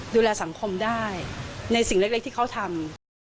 ดูแลสังคมได้ในสิ่งเล็กที่เขาทำ